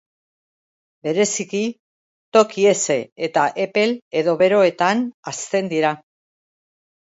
Bereziki toki heze eta epel edo beroetan hazten dira.